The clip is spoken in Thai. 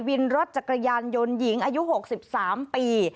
วินรถจักรยานยนต์หญิงอายุ๖๓ปี